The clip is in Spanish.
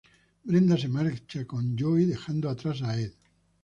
Brenda se marcha con Joey, dejando atrás a Ed.